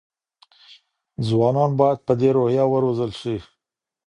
ځوانان باید په دې روحیه وروزل شي.